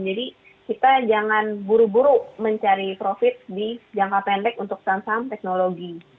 jadi kita jangan buru buru mencari profit di jangka pendek untuk saham saham teknologi